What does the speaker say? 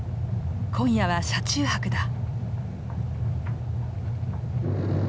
今夜は車中泊だ。